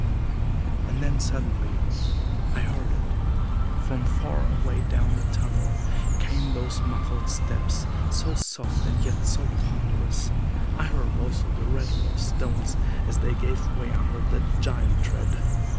And then suddenly I heard it! From far away down the tunnel came those muffled steps, so soft and yet so ponderous. I heard also the rattle of stones as they gave way under that giant tread.